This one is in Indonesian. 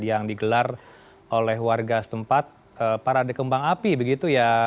yang digelar oleh warga setempat parade kembang api begitu ya